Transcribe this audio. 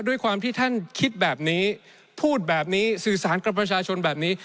ด้วยความที่ท่านคิดแบบนี้พูดแบบนี้สื่อสารกับประชาชนแบบนี้